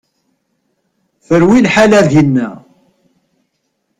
Terwi lḥala dinna.